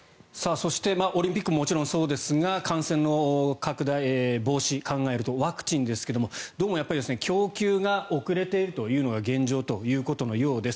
そしてオリンピックももちろんそうですが感染の拡大防止を考えるとワクチンですがどうもやっぱり供給が遅れているというのが現状ということのようです。